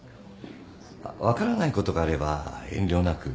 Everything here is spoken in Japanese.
あっ分からないことがあれば遠慮なく。